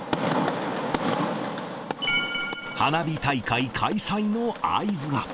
花火大会開催の合図が。